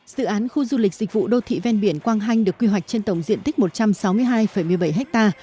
dự án khu du lịch dịch vụ đô thị ven biển quang hanh được quy hoạch trên tổng diện tích một trăm sáu mươi hai một mươi bảy ha